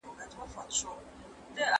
تاریخ زوړ دی.